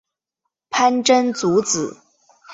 潘珍族子。